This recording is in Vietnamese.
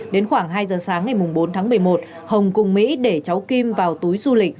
đến khoảng hai giờ sáng ngày bốn tháng một mươi một hồng cùng mỹ để cháu kim vào túi du lịch